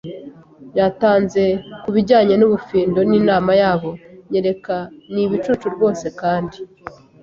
yatanze. Kubijyanye nubufindo ninama yabo, nyereka, ni ibicucu rwose kandi